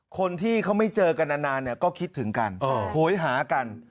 คนที่เขาไม่เจอกันนานเนี่ยก็คิดถึงกันโหยหากัน